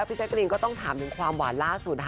พี่แจ้จริงก็ต้องถามถึงความหวานล่าสุด